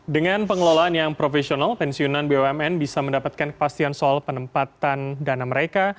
dengan pengelolaan yang profesional pensiunan bumn bisa mendapatkan kepastian soal penempatan dana mereka